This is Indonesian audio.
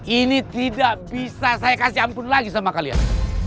ini tidak bisa saya kasih ampun lagi sama kalian